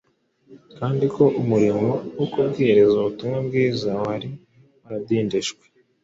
kandi ko umurimo wo kubwiriza ubutumwa bwiza wari waradindijwe